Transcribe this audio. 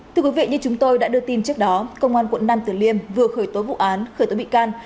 thưa quý vị như chúng tôi đã đưa tin trước đó công an quận nam tử liêm vừa khởi tố vụ án khởi tố bị can